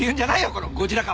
このゴジラ河。